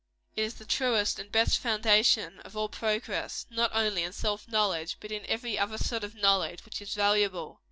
It is the truest and best foundation of all progress, not only in self knowledge, but in every other sort of knowledge which is valuable.